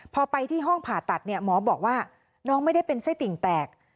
พอไปที่ห้องผ่าตัดเนี่ยหมอบอกว่าน้องไม่ได้เป็นไส้ติ่งแตก